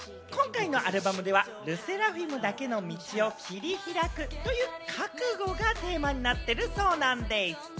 今回のアルバムでは「ＬＥＳＳＥＲＡＦＩＭだけの道を切り開く」という覚悟がテーマになっているそうなんでぃす！